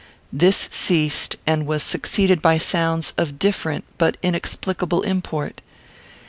This ceased, and was succeeded by sounds of different but inexplicable import.